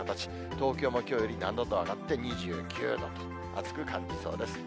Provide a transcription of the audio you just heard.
東京もきょうより７度上がって２９度と、暑く感じそうです。